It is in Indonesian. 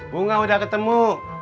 bunga udah ketemu